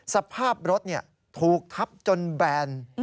สภาพรถถูกทับจนแบน